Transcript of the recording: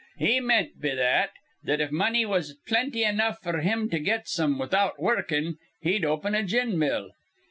He meant be that, that if money was plenty enough f'r him to get some without wurrukin', he'd open a gin mill.